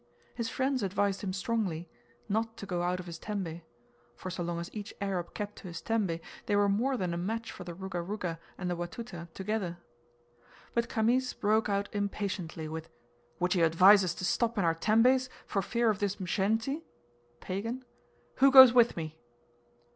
His friends advised him strongly sat to go out of his tembe; for so long as each Arab kept to his tembe they were more than a match for the Ruga Ruga and the Watuta together. But Khamis broke out impatiently with, "Would you advise us to stop in our tembes, for fear of this Mshensi (pagan)? Who goes with me?"